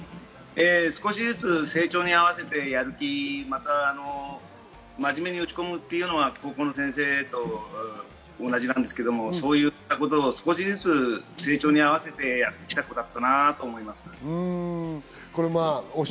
少しずつ成長に合わせて、やる気、真面目に打ち込むというのは、高校の先生と同じなんですけど、そういうことを成長に合わせてやってきた子だなと思います。